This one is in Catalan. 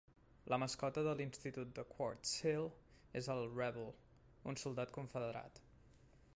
La mascota de l'institut de Quartz Hill és el Rebel, un soldat confederat.